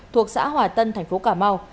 thuộc xã hòa tân tp cà mau